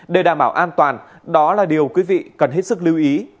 để đảm bảo an toàn đó là điều quý vị cần hết sức lưu ý